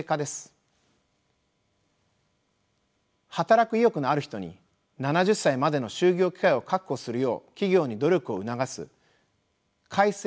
働く意欲のある人に７０歳までの就業機会を確保するよう企業に努力を促す改正